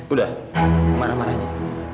udah marah marah aja